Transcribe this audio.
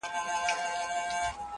تا هم کړي دي د اور څنګ ته خوبونه؟!!.